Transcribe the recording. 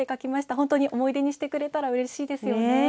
本当に思い出にしてくれたらうれしいですよね。ね。